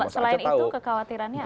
selain itu kekhawatirannya apa